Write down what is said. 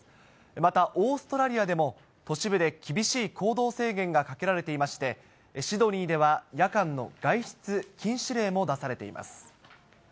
また、オーストラリアでも都市部で厳しい行動制限がかけられていまして、シドニーでは夜間の外出禁止令も出されています。